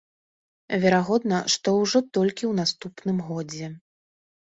Верагодна, што ўжо толькі ў наступным годзе.